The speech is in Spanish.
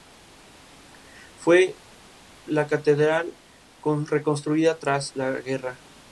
La catedral fue reconstruida tras la guerra.